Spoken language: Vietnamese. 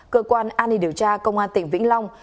cơ quan an ninh điều tra công an tỉnh vĩnh long